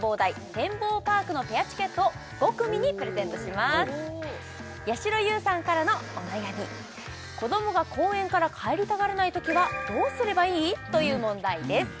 てんぼうパークのペアチケットを５組にプレゼントしますやしろ優さんからのお悩み子どもが公園から帰りたがらないときはどうすればいい？という問題です